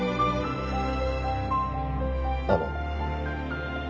あの。